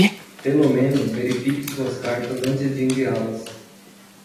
Pelo menos, verifique suas cartas antes de enviá-las.